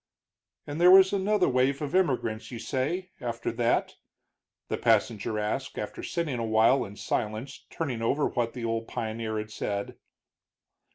"And there was another wave of immigration, you say, after that?" the passenger asked, after sitting a while in silence turning over what the old pioneer had said.